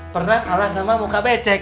pernah kalah sama muka becek